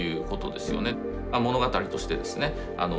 物語としてですね